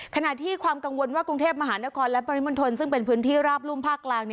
ขณะที่ความกังวลว่ากรุงเทพมหานครและปริมณฑลซึ่งเป็นพื้นที่ราบรุ่มภาคกลาง